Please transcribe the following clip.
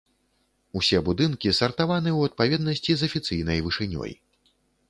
Усе будынкі сартаваны ў адпаведнасці з афіцыйнай вышынёй.